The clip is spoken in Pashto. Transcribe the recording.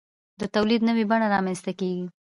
د تولید نوې بڼه رامنځته کیږي.